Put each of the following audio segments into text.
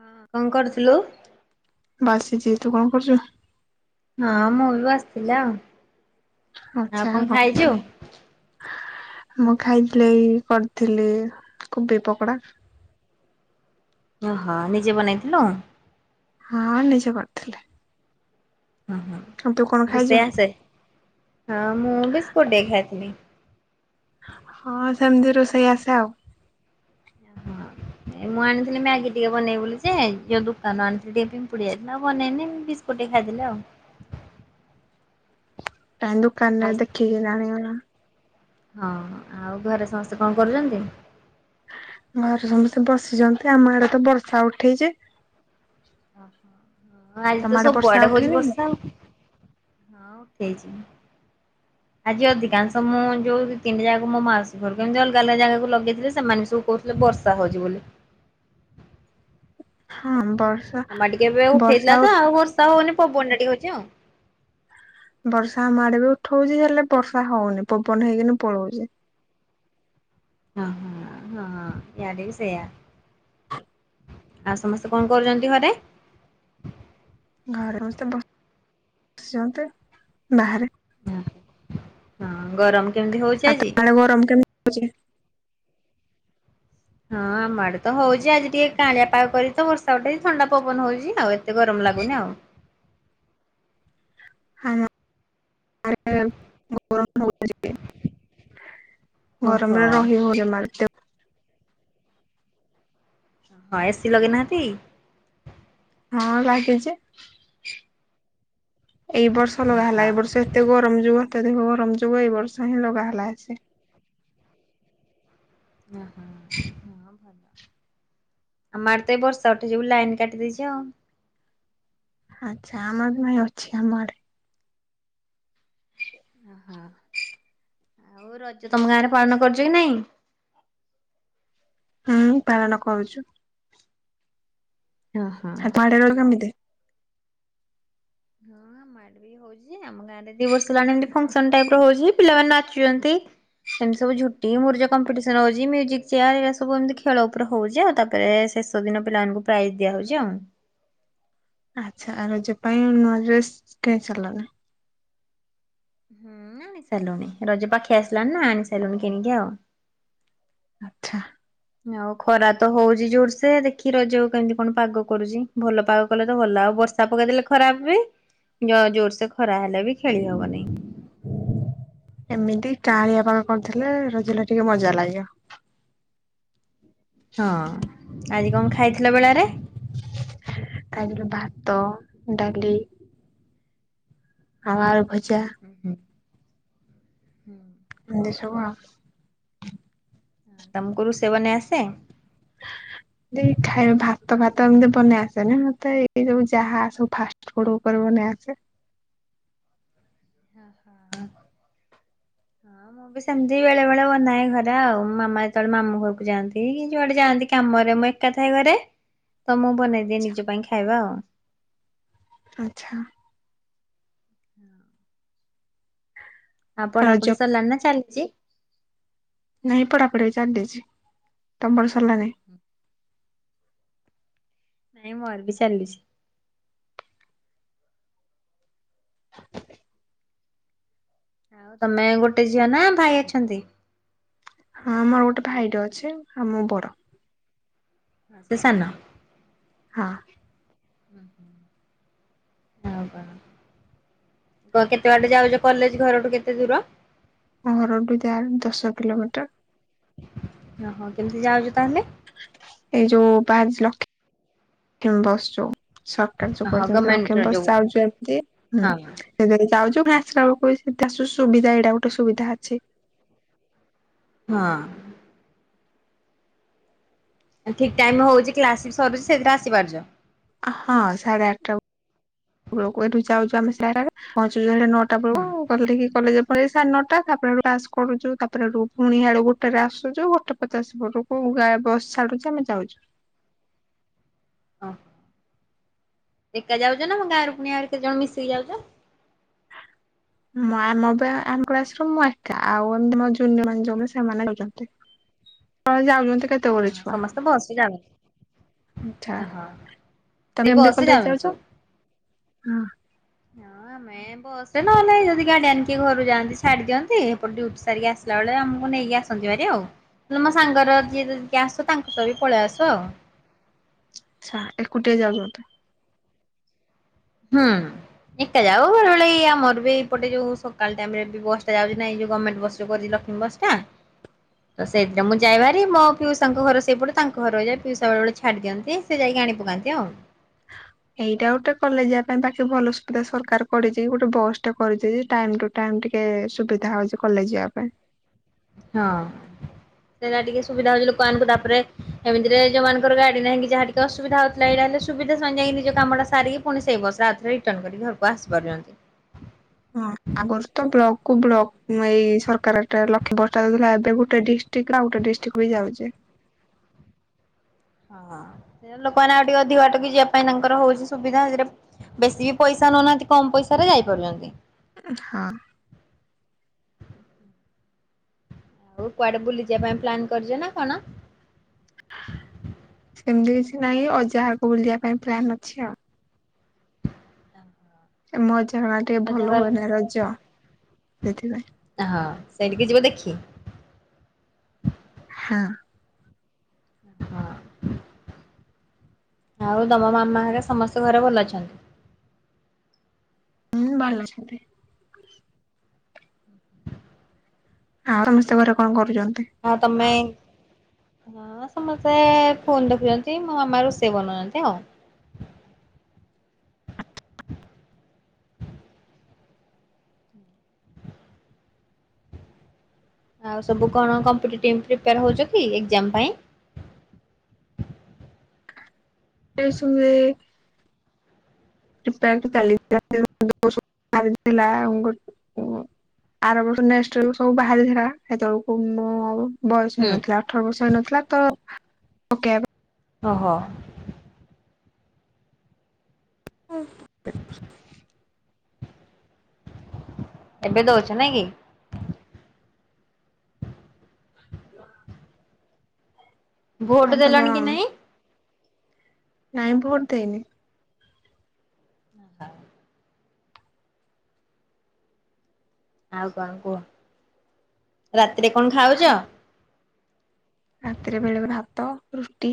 ହ କଣ କରୁଥୁଲୁ। ବାସିଚି ତୁ କଣ କରୁଚୁ। ହଁ ମୁଁ ବିସିଥିଲ ଆଉ। ଆଉ ଆଛା କଣ ହଉ। ଖାଇଛୁ? ମୁଁ ଖାଇଥିଲି କରିଥିଲି କୋବି ପକୋଡା। ଓହୋ ନିଜେ ବନେଇଥିଲୁ। ହଁ ନିଜେ କରିଥିଲି। ହଁ ହଁ ଆଉ ତୁ କଣ ଖାଇଛୁ? ରୋଷେଇ ଆସେ ହଁ ମୁଁ ବିସ୍କୁଟ ଟେ ଖାଇଥିଲି। ହଁ ସେମିତି ରୋଷେଇ ଆସେ ଆଉ। ଏ ମୁଁ ଆଣିଥିଲି ମ୍ୟାଗି ଟିକେ ବନେଇବି ବୋଲି ଯେ ଯୋଉ ଦୋକାନରୁ ଆଣିଥିଲି ଟିକେ ପିମ୍ପୁଡି ଯାଥିଲା ଆଉ ବନେଇନି ବିସ୍ କକୁଟ୍ ଟିକେ ଖାଇଦେଲି ଆଉ। କାଇ ଆଉ ଦୋକାନରେ ଦେଖିକିରି ଆଣିଲୁ ନୁ। ହଁ ଆଉ ଘରେ ସମସ୍ତେ କଣ କରୁଛନ୍ତି। ଘରେ ସମସ୍ତେ ବସିଚନ୍ତି ଆମ ଆଡେ ତ ବର୍ଷା ଉଠେଇଚି। ଓହୋ ଆଜି ତମ ତ ଆଡେ ସବୁ ବର୍ଷା ଆଡ଼େ ହଉଛି ଉଠେଇନି କି? ବର୍ଷା ଆଉ। ହଁ ଉଠେଇଚି। ହ [inaudible] ଆଜି ଅଧିକାଂଶ ମୁଁ ଯୋଉ ତିନଟା ଯା ମୋ ମାଉସୀ ଘରକୁ କେମିତି ଅଲଗା ଅଲଗା ଜାଗାକୁ ଲଗେଇଥିଲି ସେମାନେ ସବୁ କଉ ଥିଲେ ବର୍ଷା ହଉଛି ବୋଲି। ହଁ ବର୍ ଆମଡେ ଟିକେ ଏବେ ଉଠେଇଥିଲା ତ ଆଉ ବର୍ଷା ହଉନି ପବନ ଟା ଟିକେ ହଉଛି ଆଉ। ବର୍ଷା ଆମ ଆଡେ ବି ଉଠଉଛି ହେଲେ ବର୍ଷା ହଉନି ପବନ ହେଇକିନି ପଳଉଚି। ହଁ ହଁ ହଁ ଇଆଡେ ବି ସେୟା। ଆଉ ସମସ୍ତେ କଣ କରୁଛନ୍ତି ଘରେ। ଘରେ ମସ୍ତେ ବ ସିଛନ୍ତି ବାହାରେ। ହଁ ଗରମ କେମିତି ହଉଛି ଆଜି? [unintelligible] ଗରମ କେମିତି ହେଉଛି। ହଁ ଆମ ଆଡେ ତ ହଉଛି ଆଜି ଟିକେ କାଂଲିଆ ପାାଗ କରି ତ ବର୍ଷା ଉଠେଇ ଥଣ୍ଡା ପବନ ହଉଛି ଆଉ ଏତେ ଗରମ ଲାଗୁନି ଆଉ। ହଁ। ଆଜ୍ଞା ମ୍ୟାମ୍। ଗରମ ହଉଚି [inaudible] ଓହୋ। ଗରମରେ ରହି ହଉ ଯମାରୁ ତ। ହଁ ଏସିି ଲଗେଇ ନାହାନ୍ତି? ହଁ ଲାଗିଚି, ଏଇ ବର୍ଷ ଲଗା ହେଲା, ହଁ। ଏଇ ବର୍ଷ ଏ ତେ ଗରମ ଯୁଗ ଅତ୍ୟଧିକ ଗରମ ଯୁଗ ଏଇ ବର୍ଷ ହିଁ ଲଗା ହେଲା ଏସି। ଓ ହଁ [inaudible] ଆମର ତ ଏଇ ବର୍ଷା ଉଠେଇଛି ବୁଲି ଲାଇନ କାଟି ଦେଇଛି ଅ,। ଆଚ୍ଛା ଆମର ନାଇଁ ଅଛି ଆମ ଆଡ଼େ। ହଁ ଆଉ ରଜ ତୋମ ଗାଁରେ ପାଳନ କରୁଚ କି ନାଇଁ? ହୁଁ, ପାଳନ କରୁଚୁ। ହଁ, ହଁ। ସେପଟେ ତୋମର କେମିତି? ହଁ ଆମ ଆଡ଼େ ବି ହଉଛି। ଯେ ଆମ ଗାଁରେ ଦି ବର୍ଷ ହେଲାଣି ଏମତି ଫଂକ୍ସନ ଟାଇପ୍ ର ହଉଛି ପିଲାମାନେ ନାଚୁଚନ୍ତି। ଏମିତି ସବୁ ଝୁଟି ମୁରୁଜ କମ୍ପିଟିସନ୍ ହଉଛି, ମ୍ୟୁଜିକ୍ ଚେୟାର୍ ଏଇରା ସବୁ ଏମିତି ଖେଳ ଉପରେ ହଉଛି। ଆଉ ତାପରେ ଶେଷ ତ ଦିନ ପିଲାମାନଙ୍କୁ ପ୍ରାଇଜ୍ ଦିଆହଉଛି ଆଉ। ଆଚ୍ଛା ଆଉ ରଜ ପାଇଁ ନୂଆ ଡ୍ରେସ୍ [unintelligible] ହୁଁ, ଆଣି ସାରିଲୁଣି ରଜ ପାଖେଇ ଆସିଲାଣି ନା ଆଣି ସାରିଲୁଣି କିଣିକି ଆଉ। ଆଚ୍ଛା। ଆଉ ଖରା ତ ହଉଚି ଜୋରସେ ଦେଖି ରଜକୁ କେମିତି କଣ ପାଗ କରୁଚି। ଭଲ ପାଗ କଲେ ତ ଭଲ, ଆଉ ବର୍ଷ ଷା ପକେଇଦେଲେ ଖରାପ ବି, ଜ-ଜୋରସେ ଖରା ହେଲେ ବି ଖେଳି ହବନି। ଏମିତି କାଆଁଳିଆ ପାଗ କରଥିଲେ ରଜଟା ଟିକେ ମଜା ଲାଗିବ। ହଁ, ଆଜି କଣ ଖାଇଥିଲ ବେଳାରେ? ଖାଇଥିଲୁ ଭାତ, ଡାଲି ଆଳୁ ଭଜା। ହୁଁ, ହୁଁ। ହୁଁ। ଏମିତି ସବୁ ଆଉ। ତୋମ କୁ ରୋଷେଇ ବନେଇ ଆସେ? ନାଇଁ ଖାଇବା ଭାତ ଫାତ ଏମତି ବନେଇ ଆସେନି। ମୋତେ ଏଇ ସବୁ ଯାହା ସବୁ ଫାଷ୍ ଫୁଡ୍ ଉପରେ ବନେଇ ଆସେ। ହୋ, ହୋ। ହ [inaudible] ହଁ ମୁଁ ବି ସେମିତି ବେଳେ ବେଳେ ବନାଏ ଘରେ ଆଉ, ମାମା ଯେତେବେଳେ ମାମୁ ଘରକୁ ଯାଆନ୍ତି, କି ଯୁଆଡେ ଯାଆନ୍ତି କାମରେ ମୁଁ ଏ ଏକା ଥାଏ ଘରେ, ତ ମୁଁ ବନେଇ ଦିଏ ନିଜ ପାଇଁ ଖାଇବା। ଆଚ୍ଛା। ଆଉ ପଢା ରଜ ପଢି ସରିଲାଣି ନା ଚାଲିଚି? ନାଇଁ ପଢାପଢି ଚାଲିଛି। ତୋମର ସରିଲାଣି? ନାଇଁ ମୋର ବି ଚାଲିଛି। ଆଉ ତୋମେ ଗୋଟେ ଝିଅ ନା ଭାଇ ଅଛନ୍ତି? ହଁ ମୋର ଗୋଟେ ଭାଇ ଟେ ଅଛି ଆଉ, ଆଉ ମୁଁ ବଡ। ହଁ ସିଏ ସାନ। ହଁ। ହଁ, ହଁ ଆଉ କଣ? କ- କେତେ ବାଟ ଯାଉଚ? କଲେଜ୍ ଘରଠୁ କେତେ ଦୂର? ଘରଠୁ ଯାଏ ଦଶ କିଲୋମିଟର। ଓହୋ, କେମିତି ଯାଉଚ ତୋମେ? ଏଇ ଯୋଉ ବାହାରିଛି ଲକ୍ଷ୍ମୀ ବସ୍‌ ଯୋଉ। ସକାଳୁ ଯୋଉ ଓହୋ ବସ୍ ଯାଉଚୁ ଗମେଣ୍ଟର ଲକ୍ଷ୍ମୀ ବସ୍ ଯୋଉ ଯାଉଚୁ ବାକି। ହଁ ସେଇଟାରେ ଯାଉଛୁ, ଫେର୍ ଆସିଲା ବେଳକୁ ଏଇ ସେମତି ଆସୁ ସୁବିଧା ଏଇଟା ଗୋଟେ ସୁବିଧା ଅଛି। ହଁ। ଠିକ୍ ଟାଇମ୍ ହେଉଛି କ୍ଲାସ୍ ବି ସରୁଛି ସେଥିରେ ଆସିପାରୁଛ। ହଁ ସାଢେ ଆଠଟା ବେଳକୁ ଏଠୁ ଯାଉଛୁ ଆମେ ପହଞ୍ଚଛୁ ନଅଟା। ହୁଁ ତାପରେ [unintelligible] ହେଲେ କିି କଲେଜ ପରେ ସାଢ଼େ ନଅଟା ତାପରେ ହେଟୁ କରୁଛୁ ତାପରେ ହେଠୁ ଫୁଣି ହିଆଡୁ ଗୋଟରେ ଆସୁଛୁ ଗୋଟେ ପଚାଶ ପଟକୁ ଗା ବସ୍ ଛାଡୁଛି ଆମେ ଯାଉଛୁ। ହ ଏକା ଯାଉଛ ନା ତମ ଗାଁ ର ପୁଣି ଆହୁରି କେତେ ଜଣ ମିଶିକି ଯାଉଛ? ଆ ଆମ ବା ଆମ କ୍ଲାସ୍ ରୁ ମୁଁ ଏକା ଆଉ ଏମତି ମୋ ଜୁନିଅର ମାନେ ଯୋଉମାନେ ସେମାନେ ଯାଉଛନ୍ତି। ହଁ ଯାଉନାହାନ୍ତି କେତ୍ ହ ସମସ୍ତେ ବସ ରେ ଜାଉ ନାହାଁନ୍ତି? ଆଛା ସେଇ ତମେ ଏମିତି ବସରେ କଲେଜ ଯାଉଛନ୍ତି ଯାଉଛଁ? ସବୁ। [unintelligible] ଁ ବସ ରେ ନହେଲେ ଯଦି ଗାଡିଆନ କିଏ ଘରୁ ଯାଆନ୍ତି ଛାଡ଼ି ଦିଅନ୍ତି ଏପଟ ଡିଉଟି ସାରିକି ଆସିଲା ବେଳେ ଆମକୁ ନେଇକି ଆସ ଆସନ୍ତିଭାରି ଆଉ। ନହେଲେ ମୋ ସାଙ୍ଗର କିଏ ଯଦି କିଏ ଆସ ତାଙ୍କ ସହ ବି ପଳେଇ ଆଶୁ ଆଉ। ଆଛା ଏକୁଟିଆ ଯାଉ ତ ହୁଁ। ଏକା ଯାଉ ବେଳେବେଳେ ଇଏ ଆମର ବି ଏପଟେ ଯୋଉ ସକାଳ ଟାଇମ ରେ ବି ବସ ଟା ଯାଉଛି ନା ଏ ଯୋଉ ଗମେଣ୍ଟ ବସ୍ ଯୋଉ କରିଛି ଲକ୍ଷ୍ମୀ ବସ୍। ଟା। [unintelligible] ତ ସେଇଥିରେ ମୁଁ ଯାଏଭାରି ମୋ ପିଉସାଙ୍କ ଘର ସେଇପଟେ ତାଙ୍କ ଘର ଯେ ପିଉସା ବେବେଳେ ଛାଡ଼ି ଦିଅନ୍ତି। ସେ ଯାଇକି ଆଣି ପକାନ୍ତି ଆଉ। ଏଇଟା ଗୋଟେ କଲେଜ ଯିବା ପାଇଁ ବାକି ଭଲ ସୁବିଧା ସରକାର କରିଛି ଗୋଟେ ବସ୍ ଟା କରିଚି ଟାଇମ ଟୁ ଟାଇମ ଟିକେ ସୁବିଧା ହଉଛି କଲେଜ ଯିବା ପାଇଁ। ହଁ ସେଇଟା ଟିକେ ସୁବିଧା ହଉଛି ଲୋକମାନଙ୍କୁ ତାପରେ ଏମିତିରେ ଯୋଉ ମାନଙ୍କର ଗାଡି ନାହିଁ କି ଯାହା ଟିକେ ଅଶୁବିଧା ହୋଉଥିଲା ଏଇଟା ହେଲେ ସୁବିଧା ସେମାନେ ଯାଇକି ନିଜ କାମ ଟା ସାରିକି ଫୁଣି ସେଇ ବସରେ ଆଉଥି ସେ ରିଟର୍ନ କରିକି ଘରକୁ ଆସିପାରୁଚନ୍ତି। ହଁ ଆଗରୁ ତ ବ୍ଲକ କୁ ବ୍ଲକ ଏଇ ସରକାରଟା ଲକ୍ଷ୍ୟ ବା ଦଉଥିଲା ଏବେ ଗୋଟେ ଡି ଟିକରୁ ଆଉ ଗୋଟେ ଡିଷ୍ଟ୍ରିକ ବି ଯାଉଛି। ଓହଁ ଲୋକମାନେ ଆଉ ଟିକେ ଅଧିକ ବାଟକି ଯିବା ପାଇଁ ତାଙ୍କର ହଉଛି ସୁବିଧା ସେଥିରେ ବେଶୀ ବି ପଇସା ନଉନାହାନ୍ତି କମ ପଇସା ରେ ଯାଇ ପାରୁଛନ୍ତି। ହଁ। ଆଉ କୁଆଡେ ବୁଲିଯିବା ପାଇଁ ପ୍ଲାନ୍ କରିଛ ନା କଣ? ସେମିତି କିଛି ନାହିଁ ଅଜା ଘରକୁ ବୁଲିବା ପାଇଁ ପ୍ଲାନ୍ ଅଛି ଆଉ। ଏ ମୋ ଅଜା ଘର ଆଡେ ଟିକେ ଅଜା ଭଲ ଘର ହୁଏ ନା ରଜ ସେଥିପାଇଁ। ହଁ ସେଇ ଟିକେ ଯିବ ଦେଖି ହଁ। ହଁ। ଆଉ ତମ ମାମା ହେରିକା ସମସ୍ତେ ଘରେ ଭଲ ଅଛନ୍ତି? ହୁ ଭଲ ଅଛନ୍ତି। ଆଉ ସମସ୍ତେ ଘରେ କଣ କରୁଛନ୍ତି? ଆଉ ତମେ? ହଁ ସମସ୍ତେ ଫୋନ୍ ଦେଖୁଛନ୍ତି ମୋ ମାମା ରୋଷେଇ ବନାନ୍ତି ଆଉ। ଆଉ ସବୁ କଣ କମ୍ପିଟେଟିଭ ପ୍ରିପେୟାର ହେଉଛ କି ଏଗଜାମ୍ ପାଇଁ। ଏଇ ସମୟେ [unintelligible] ଆର ବର୍ଷ ନେକ୍ସଟ୍ ବେଳକୁ ସବୁ ବାହାରିଥିଲା ସେତବେଳକୁ ମୁଁ ଆଉ ବୟସ ହୁଁ ହେଇନଥିଲା ଅଠର ବର୍ଷ ହେଇନଥିଲା ତ ପକାଇବ ଓହୋ। ହୁଁ। ଏବେ ଦୋଉଚି ନାଇ କି? ଆଉ ଭୋଟ ତ କଣ ଦେଲଣି କି ନାଇଁ? ନାଇଁ ଭୋଟ ଦେଇନି। ଅ ହ। ଆଉ କଣ କୁହ ରାତିରେ କଣ ଖାଉଛ। ରାତିରେ ବେଳେ ବେଳେ ଭାତ ରୁଟି।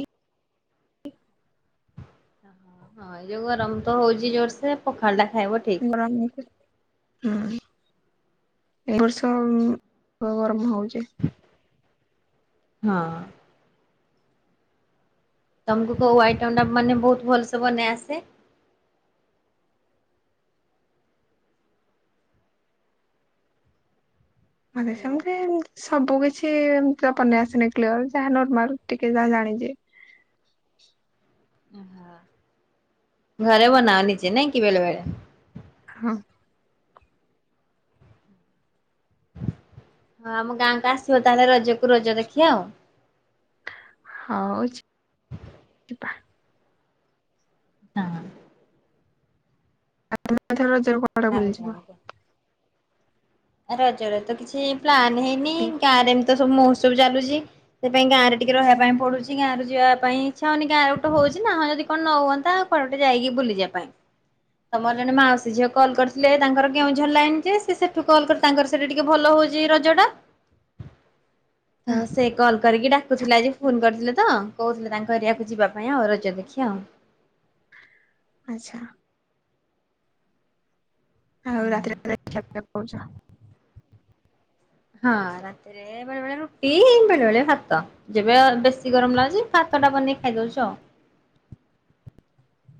ହଁ ଏଇ ଯୋଉ ଗରମ ତ ହଉଚି ଜୋରସେ ପଖାଳ ଟା ଖାଇବ ଠିକ। ଗରମ ହଉଚି ହୁଁ। ଏ ବର୍ଷ ଗରମ ହଉଚି। ହୁଁ ହଁ। ତମକୁ କୋଉ ଆଇଟମ୍ ଟା ମାନେ ବହୁତ ଭଲସେ ବନେଇ ଆସେ। ମାତେ ହ୍ୟାଲୋ ସେମିତି। ସବୁ କିଛି ଏମିତି ବନେଇ ଆସନି କ୍ଲିୟର ଯାହା ନର୍ମାଲ ଟିକେ ଯାହା ଜାଣିଛି। ଓ ହା ଘରେ ବନାଅ ନିଜେ ନାଇଁ କି ବେଲେ ବେଳେ। ହଁ। ହଁ ଆମ ଗାଁକୁ ଆସିବ ତାହେଲେ ରଜକୁ ରଜ ଦେଖି ଆଉ। ହଉ ଜି ଜିବା। ହଁ। [unintelligible] ଆଉ କଣ କୁଅ। ରଜ ର ତ କିଛି ପ୍ଲାନ୍ ହେଇନି ଗାଁ ରେ ଏମିତି ତ ସବୁ ମହୋତ୍ସବ ଚାଲୁଛି। ସେ ପାଇଁଁ ଗାଁରେ ଟିକେ ରହିବା ପାଇଁ ପଡୁଛି ଗାଁ ରୁ ଯିଆ ପାଇଁ ଇଚ୍ଛା ହଉନି ଗାଁରେ ଗୋଟ ହଉଛି ନା ହଁ ଯଦି କଣ ନ ହୁଅନ୍ତା। କୁଆଡେ ଗୋଟେ ଯାଇକି ବୁଲିଯିବା ପାଇଁ। ତ ମୋର ଜଣେ ମାଉସୀ ଝିଅ କଲ୍ କରିଥିଲେ ତାଙ୍କର କେଉଁଝର ଲାଇନ୍ ଯେ ସିଏ ସେଠୁ କଲ୍ କରି ତାଙ୍କର ସେଠି ଟିକେ ଭଲ ହଉଛି ରଜ ଟା। ତ ଆଚ୍ଛା ସେ କଲ କରିକି ଡାକୁଥିଲା ଆଜି ଫୋନ କରିଥିଲେ ତ। କହୁଥିଲେ ତାଙ୍କ ଏରିଆକୁ ଯିବା ପାଇଁ ଆଉ ରଜ ଦେଖି ଆଉ। ଆଚ୍ଛା। ଆଉ ରାତିରେ [unintelligible] ଖିଆ କରୁଛ। ହଁ ରାତିରେ ବେଳେବେଳେ ରୁଟି ବେଳେବେଳେ ଭାତ। ଯେବେ ବେଶୀ ଗରମ ଲାଗୁଛି ଭାତ ଟା ବନେଇ ଖାଇ ଦଉଛୁ ଆଉ। [inaudible]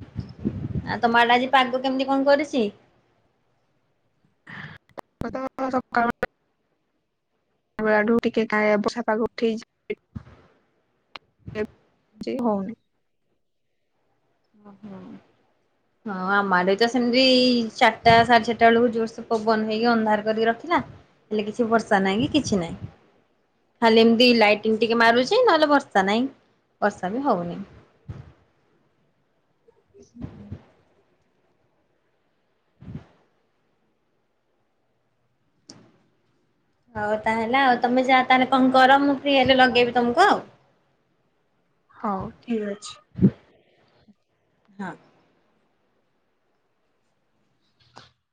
ଆଉ ତମ ଆଡେ ଆଜି ପାଗ କେମିତି କଁ କରିଛି। ପାଗ ତ ସକାଳୁ। ବେଳା ଠୁ ଟିକେ କାୟ ବର୍ଷା ଉଠେଇଛି। ହଉନି। ଓ‌‌ହ। ହଁ ଆମ ଆଡେ ତ ସେମିତି ଚାରିଟା ସାଢେ ଚାରିଟା ବେଳକୁ ଜୋରସ ପବନ ହେଇକି ଅନ୍ଧାର କରିକି ରଖିଲା। ହେଲେ କିଛି ବର୍ଷା ନାହିଁ କି କିଛି ନାହିଁ। ଖାଲି ଏମିତି ଲାଇଟିଂ ଟିକେ ମାରୁଛି ନହେଲେ ବର୍ଷା ନହିଁ ବର୍ଷା ବି ହଉନି। [unintelligible] ହଉ ତାହେଲେ ଆଉ ତମେ ଯା ତାହେଲେ କଁ କର ମୁଁ ଫ୍ରି ହେଲେ ଲଗେଇବି ତମକୁ ଆଉ। ହ ଉ ଠିକ ଅଛି। ହଁ।